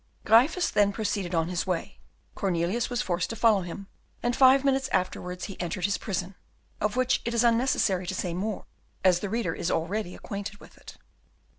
Gryphus then proceeded on his way, Cornelius was forced to follow him, and five minutes afterwards he entered his prison, of which it is unnecessary to say more, as the reader is already acquainted with it.